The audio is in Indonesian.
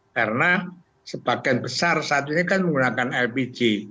karena sebagian besar saat ini kan menggunakan lpg